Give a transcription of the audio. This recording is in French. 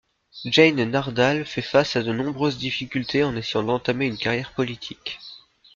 Jane Nardal fait face à de nombreuses difficultés en essayant d'entamer une carrière politique.